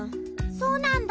そうなんだ。